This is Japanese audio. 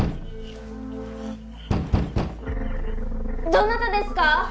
どなたですか？